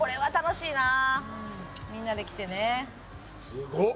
すごっ！